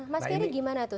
mas kery gimana tuh